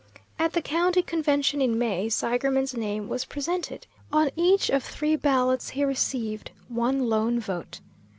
At the county convention in May, Seigerman's name was presented. On each of three ballots he received one lone vote.